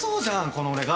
この俺が。